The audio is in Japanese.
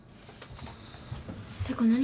てか何？